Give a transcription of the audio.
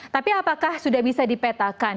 tapi apakah sudah bisa dipetakan